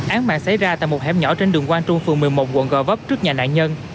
án mạng xảy ra tại một hẻm nhỏ trên đường quang trung phường một mươi một quận gò vấp trước nhà nạn nhân